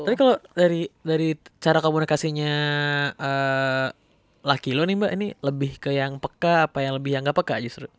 tapi kalau dari cara komunikasinya laki laki mbak ini lebih ke yang peka apa yang lebih yang nggak peka justru